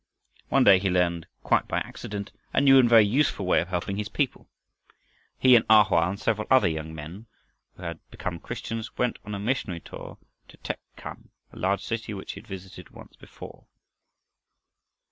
One day he learned, quite by accident, a new and very useful way of helping his people. He and A Hoa and several other young men who had become Christians, went on a missionary tour to Tek chham, a large city which he had visited once before.